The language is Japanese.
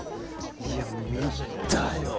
いや見たよ。